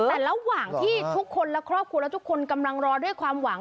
แต่ระหว่างที่ทุกคนและครอบครัวและทุกคนกำลังรอด้วยความหวัง